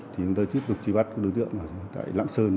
chúng tôi tiếp tục truy bắt đối tượng tại lãng sơn